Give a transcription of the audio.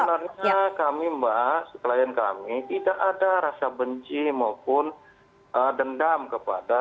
sebenarnya kami mbak klien kami tidak ada rasa benci maupun dendam kepada